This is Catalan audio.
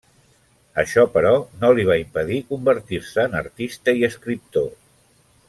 Això, però, no li va impedir convertir-se en artista i escriptor.